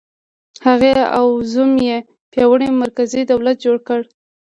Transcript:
هغې او زوم یې پیاوړی مرکزي دولت جوړ کړ.